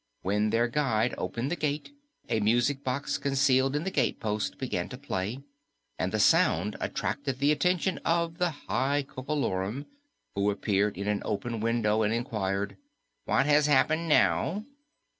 When their guide opened the gate, a music box concealed in the gatepost began to play, and the sound attracted the attention of the High Coco Lorum, who appeared at an open window and inquired, "What has happened now?"